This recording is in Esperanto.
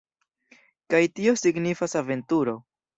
Kaj tio signifas aventuro!